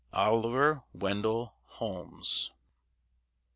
OLIVER WENDELL HOLMES.